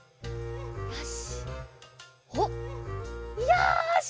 よし。